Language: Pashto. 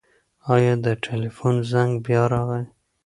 ایا د تلیفون زنګ بیا راغی؟